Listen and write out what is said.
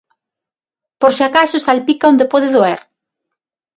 Por se acaso salpica onde pode doer.